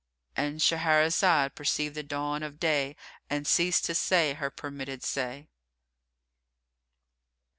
——And Shahrazad perceived the dawn of day and ceased to say her permitted say.